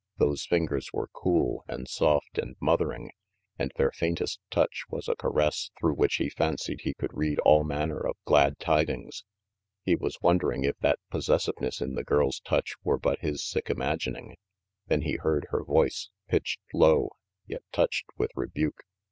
Those fingers were cool, and soft and mothering, and their faintest touch was a caress through which he fancied he could read all manner of glad tidings. He was wondering if that possessive ness in the girl's touch were but his sick imagining; then he heard her voice, pitched low, yet touched with rebuke.